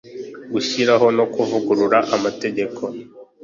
gushyiraho no kuvugurura amategeko